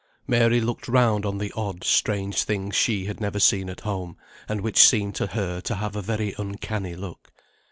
Mary looked round on the odd, strange things she had never seen at home, and which seemed to her to have a very uncanny look.